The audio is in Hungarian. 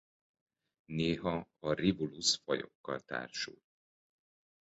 Néha a Rivulus-fajokkal társul.